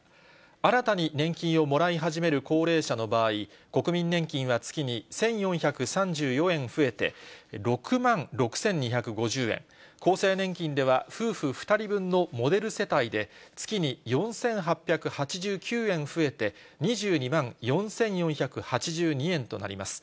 新たに年金をもらい始める高齢者の場合、国民年金は月に１４３４円増えて、６万６２５０円、厚生年金では夫婦２人分のモデル世帯で、月に４８８９円増えて、２２万４４８２円となります。